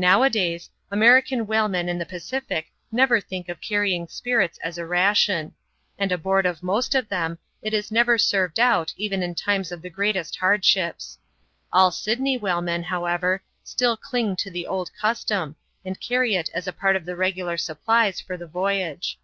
Nowadays, American whalemen in the Pacific never think of carrying spirits as a ration ; and aboard of most of them, it is never served out even in times of the greatest hardships. All Sydney whale men, however, still cling to the old custom, and carry it as a part of the regular supplies for the voyage.